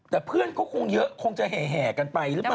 แต่เพื่อนก็คงเยอะคงจะแห่กันไปหรือเปล่า